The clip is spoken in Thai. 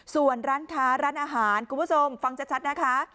ส่วนร้านค้าร้านอาหารคุณผู้ชมฟังชัดนะคะ